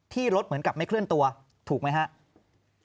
รถเหมือนกับไม่เคลื่อนตัวถูกไหมครับ